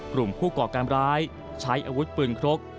กลุ่มผู้ก่อการร้ายใช้อาวุธปืนครก